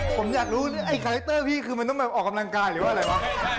ผมอยากรู้ไอ้คาแรคเตอร์พี่คือมันต้องมาออกกำลังกายหรือว่าอะไรวะ